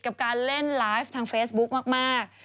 กับการเล่นไลฟ์ทางเฟซบุ๊คมาก